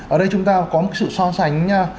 ở đây chúng ta có một sự so sánh